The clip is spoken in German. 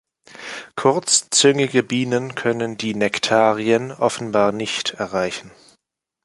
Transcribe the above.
Kurzzüngige Bienen können die Nektarien offenbar nicht erreichen.